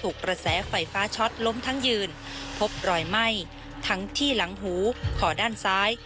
ถูกกระแสไฟฟ้าช็อตล้มทั้งยืนพบรอยไหม้ทั้งที่หลังหูคอด้านซ้าย